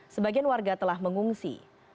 sebagian warga telah mengungsi